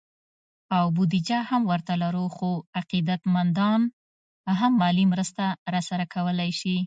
او بودیجه هم ورته لرو، خو عقیدت مندان هم مالي مرسته راسره کولی شي